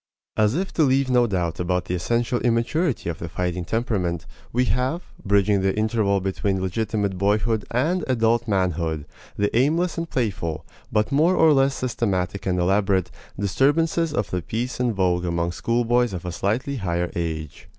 As if to leave no doubt about the essential immaturity of the fighting temperament, we have, bridging the interval between legitimate boyhood and adult manhood, the aimless and playful, but more or less systematic and elaborate, disturbances of the peace in vogue among schoolboys of a slightly higher age.